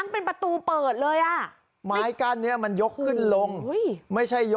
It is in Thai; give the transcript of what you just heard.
พี่